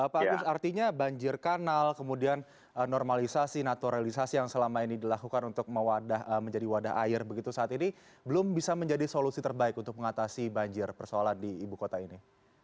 pak agus artinya banjir kanal kemudian normalisasi naturalisasi yang selama ini dilakukan untuk menjadi wadah air begitu saat ini belum bisa menjadi solusi terbaik untuk mengatasi banjir persoalan di ibu kota ini